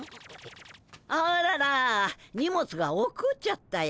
あらら荷物が落っこっちゃったよ。